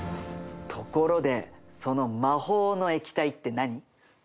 ところでその魔法の液体って何？